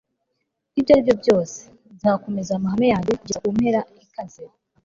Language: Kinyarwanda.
ibyo aribyo byose, nzakomeza amahame yanjye kugeza kumpera ikaze